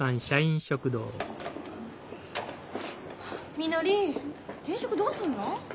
みのり転職どうすんの？